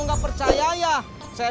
bang cang hijau